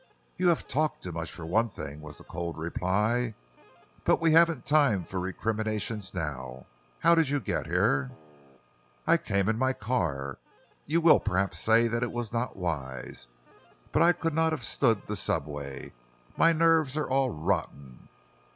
"You have talked too much, for one thing," was the cold reply, "but we haven't time for recriminations now. How did you get here?" "I came in my car. You will perhaps say that it was not wise, but I could not have stood the subway. My nerves are all rotten."